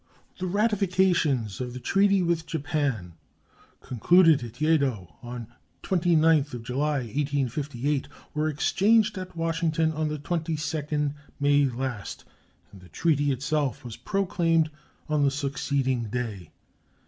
The ratifications of the treaty with Japan concluded at Yeddo on the 29th July, 1858, were exchanged at Washington on the 22d May last, and the treaty itself was proclaimed on the succeeding day.